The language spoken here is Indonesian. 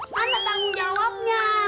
mana tanggung jawabnya